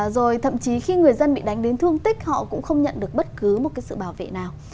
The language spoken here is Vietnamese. rồi thậm chí khi người dân bị đánh đến thương tích họ cũng không nhận được bất cứ một cái sự bảo vệ nào